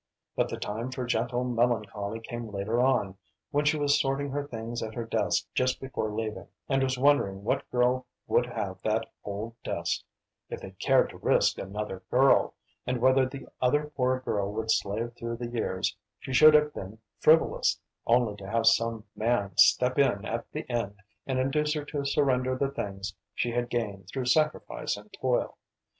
But the time for gentle melancholy came later on, when she was sorting her things at her desk just before leaving, and was wondering what girl would have that old desk if they cared to risk another girl, and whether the other poor girl would slave through the years she should have been frivolous, only to have some man step in at the end and induce her to surrender the things she had gained through sacrifice and toil.